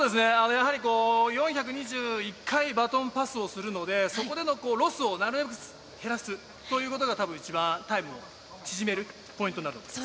やはりこう、４２１回バトンパスをするので、そこでのロスをなるべく減らすということが、たぶん、一番タイムを縮めるポイントになると思います。